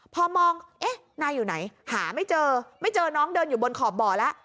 พอมองเอ๊ะนายอยู่ไหนหาไม่เจอไม่เจอน้องเดินอยู่บนขอบบ่อแล้ว